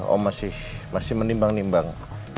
om masih menimbang nimbang